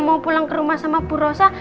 mau pulang ke rumah sama ibu rosa